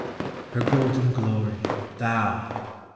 Her golden glory, Ihoii